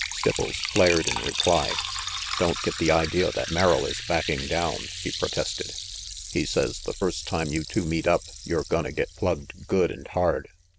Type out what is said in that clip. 228 RANGY PETE Stipples flared in reply. "Don't get the idea that Merrill is backing down," he protested. "He says the first time you two meet up, you're gonna get plugged good and hard.